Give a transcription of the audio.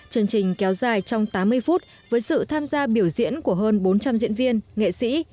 chương trình kéo dài trong tám mươi phút với sự tham gia biểu diễn của hơn bốn trăm linh diễn viên nghệ sĩ